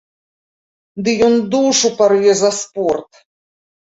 Ды ён душу парве за спорт!